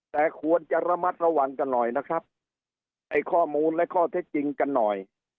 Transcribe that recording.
แต่ควรจะระมัดระวังกันหน่อยนะครับไอ้ข้อมูลและข้อเท็จจริงกันหน่อย